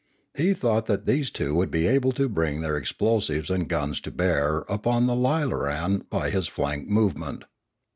He thought that these two would be able to bring their explosives and guns to bear upon the lilaran by this flank movement.